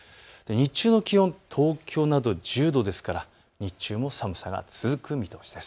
日中の気温、東京など１０度ですから日中も寒さが続く見通しです。